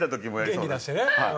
元気出してね。